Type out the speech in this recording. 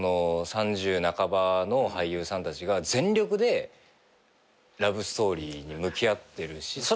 ３０半ばの俳優さんたちが全力でラブストーリーに向き合ってるし。